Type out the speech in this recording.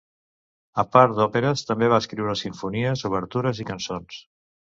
A part d'òperes, també va escriure simfonies, obertures i cançons.